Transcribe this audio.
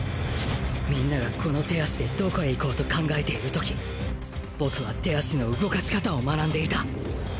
皆がこの手足でどこへ行こうと考えている時僕は手足の動かし方を学んでいた